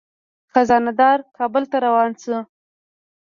خزانه دار کابل ته روان شو.